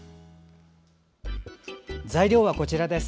材料はこちらです。